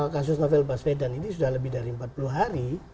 kasus novel baswedan ini sudah lebih dari empat puluh hari